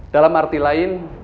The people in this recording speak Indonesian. dalam arti lain